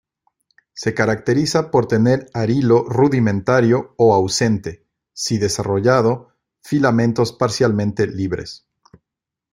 Se caracteriza por tener arilo rudimentario o ausente, si desarrollado, filamentos parcialmente libres.